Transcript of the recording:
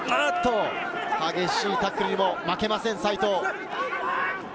激しいタックルにも負けません齋藤。